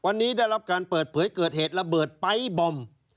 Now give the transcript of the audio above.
วันนี้ได้รับการเปิดเผยเกิดเหตุระเบิดไป๊บอม